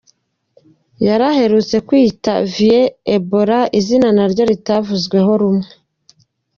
Yari aherutse kwiyita Vieux Ebola izina na ryo ritavuzweho rumwe.